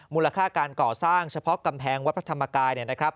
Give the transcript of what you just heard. มูลค่าการก่อสร้างเฉพาะกำแพงวัดพระธรรมกายเนี่ยนะครับ